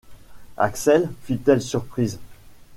Axel! fit-elle surprise.